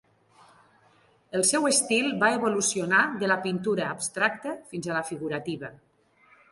El seu estil va evolucionar de la pintura abstracta fins a la figurativa.